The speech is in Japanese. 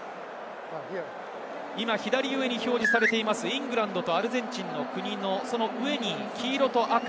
左上に表示されています、イングランドとアルゼンチンの国の上に黄色と赤。